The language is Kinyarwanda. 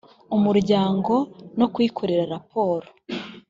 umuryango no kuyikorera raporo